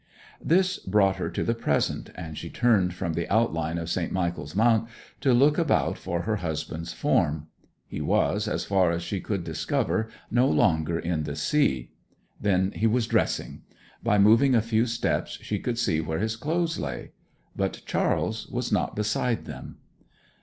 This brought her to the present, and she turned from the outline of St. Michael's Mount to look about for her husband's form. He was, as far as she could discover, no longer in the sea. Then he was dressing. By moving a few steps she could see where his clothes lay. But Charles was not beside them.